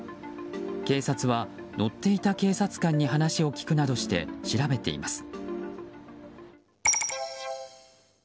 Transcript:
警察は乗っていた警察官に話を聞くなどして調べています。